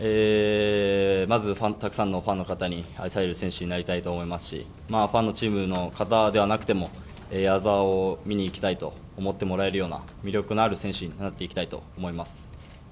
まずたくさんのファンの方に愛される選手になりたいと思いますしファンのチームの方ではなくても矢澤を見に行きたいと思ってもらえるような魅力のある選手になっていきたいと思います。